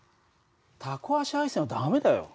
タコ足配線は駄目だよ。